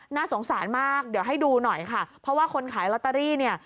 น่าสงสารมากเดี๋ยวให้ดูหน่อยค่ะเพราะว่าคนขายลอตเตอรี่เนี่ย